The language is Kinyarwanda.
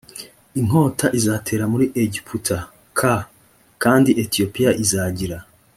inkota izatera muri egiputa k kandi etiyopiya izagira